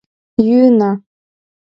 Йӱына!